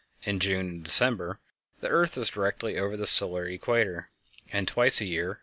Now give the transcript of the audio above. _ in June and December—the earth is directly over the solar equator, and twice a year—_viz.